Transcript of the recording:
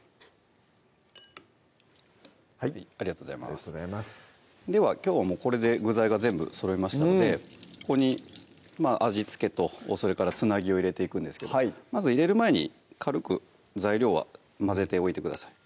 はいありがとうございますではきょうはこれで具材が全部そろいましたのでここに味付けとそれからつなぎを入れていくんですけどまず入れる前に軽く材料は混ぜておいてください